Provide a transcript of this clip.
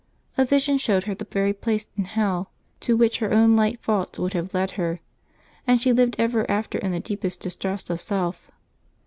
A vision showed her the very place in hell to which her own light faults would have led her, and she lived ever after in the deepest distrust of self.